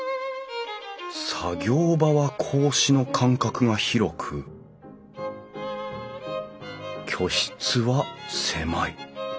作業場は格子の間隔が広く居室は狭い。